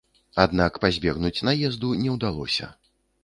Аднак пазбегнуць наезду не ўдалося.